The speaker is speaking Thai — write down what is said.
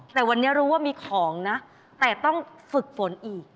แต่วันนี้รู้ว่ามีของนะแต่ต้องฝึกฝนอีก